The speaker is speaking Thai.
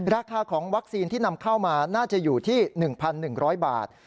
ราคาของวัคซีนที่นำเข้ามาน่าจะอยู่ที่๑๑๐๐บาท